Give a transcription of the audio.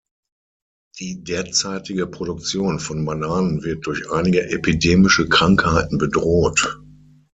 Die derzeitige Produktion von Bananen wird durch einige epidemische Krankheiten bedroht.